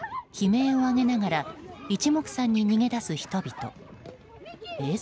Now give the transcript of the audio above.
悲鳴を上げながら一目散に逃げ出す人々。